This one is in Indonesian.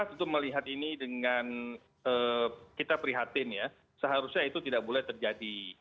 ya pemerintah itu melihat ini dengan kita prihatin ya seharusnya itu tidak boleh terjadi